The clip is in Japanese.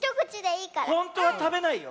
ほんとはたべないよ。